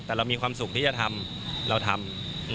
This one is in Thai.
แต่เรามีความสุขที่จะทำเราทำ